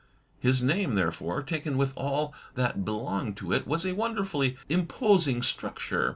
His name, therefore, taken with all that belonged to it, was a wonder fully imposing structure.